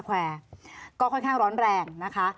ก็ค่อนข้างร้อนแรงนะคะ